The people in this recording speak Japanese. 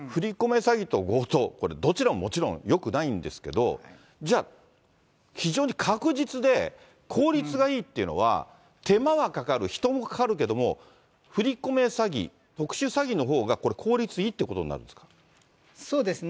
詐欺と強盗、これ、どちらももちろんよくないんですけど、じゃあ、非常に確実で効率がいいってのは、手間はかかる、人もかかるけれども、振り込め詐欺、特殊詐欺のほうが効率いいっそうですね。